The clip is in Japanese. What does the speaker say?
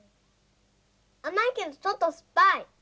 あまいけどちょっとすっぱい。